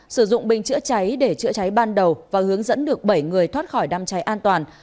sử dụng bình chữa cháy để chữa cháy ban đầu và hướng dẫn được bảy người thoát khỏi đám cháy an toàn